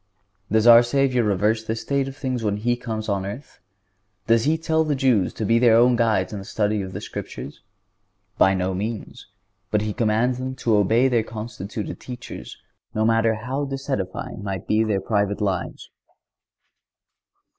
Does our Savior reverse this state of things when He comes on earth? Does He tell the Jews to be their own guides in the study of the Scriptures? By no means; but He commands them to obey their constituted teachers, no matter how disedifying might be their private lives.